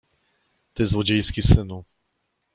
Ty złodziejski synu!